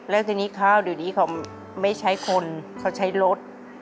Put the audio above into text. แล้วทีนี้ข้าวเดี๋ยวนี้เขาไม่ใช้คนเขาใช้รถ